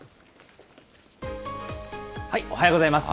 おはようございます。